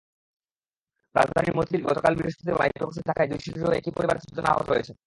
রাজধানীর হাতিরঝিলে গতকাল বৃহস্পতিবার মাইক্রোবাসের ধাক্কায় দুই শিশুসহ একই পরিবারের চারজন আহত হয়েছেন।